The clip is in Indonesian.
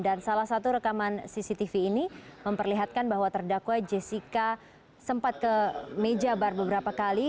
dan salah satu rekaman cctv ini memperlihatkan bahwa terdakwa jessica sempat ke meja bar beberapa kali